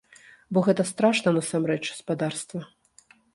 Бо гэта страшна насамрэч, спадарства.